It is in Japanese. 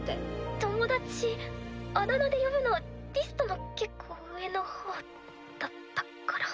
友達あだ名で呼ぶのリストの結構上の方だったから。